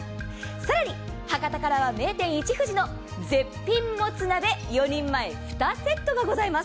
更に博多からは名店一藤の絶品もつ鍋、４人前、２セットがございます。